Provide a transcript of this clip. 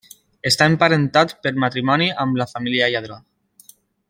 Està emparentat per matrimoni amb la família Lladró.